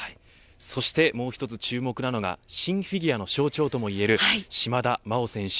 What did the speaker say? そしてもう一つ注目なのがシン・フィギュアの象徴ともいえる島田麻央選手